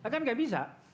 kan tidak bisa